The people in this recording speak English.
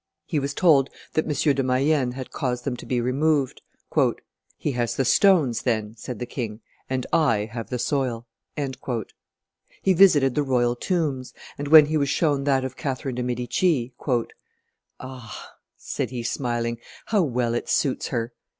He was told that M. de Mayehne had caused them to be removed. "He has the stones, then," said the king; "and I have the soil." He visited the royal tombs, and when he was shown that of Catherine de' Medici, " Ah!" said he smiling, "how well it suits her!"